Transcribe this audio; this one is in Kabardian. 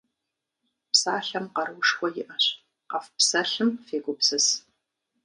Псалъэм къэруушхуэ иӏэщ, къэфпсэлъым фегупсыс.